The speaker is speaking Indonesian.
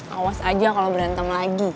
awas aja kalau berantem lagi